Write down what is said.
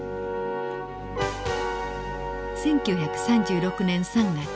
１９３６年３月。